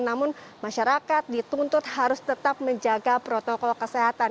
namun masyarakat dituntut harus tetap menjaga protokol kesehatan